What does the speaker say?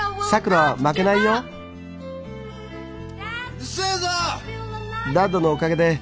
うるせえぞ！